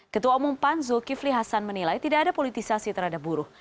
ketua umum pan zulkifli hasan menilai tidak ada politisasi terhadap buruh